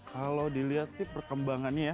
kalau dilihat sih perkembangannya ya